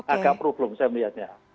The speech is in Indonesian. agak problem saya melihatnya